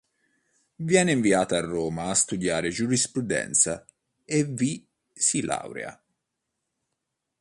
Viene inviato a Roma a studiare giurisprudenza e vi si laurea.